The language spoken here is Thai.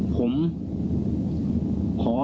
ผมขอลาออก